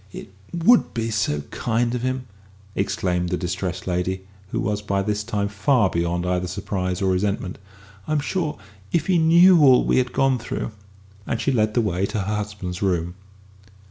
"It would be so kind of him!" exclaimed the distressed lady, who was by this time far beyond either surprise or resentment. "I'm sure, if he knew all we have gone through !" and she led the way to her husband's room.